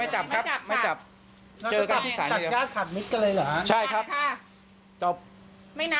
จับคลาดขาดนิดกันเลยเหรอดี